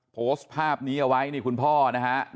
โพสต์ภาพนี้เอาไว้นี่คุณพ่อนะฮะ